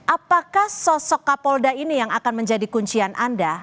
apakah sosok kapolda ini yang akan menjadi kuncian anda